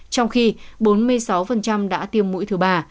trong khi bốn mươi sáu đã tiêm mũi thứ ba